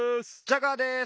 ジャガーです。